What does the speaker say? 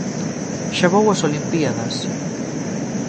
Xa vou ás Olimpíadas!